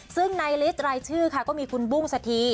ซึ่งในลิสต์รายชื่อค่ะก็มีคุณบุ้งสถี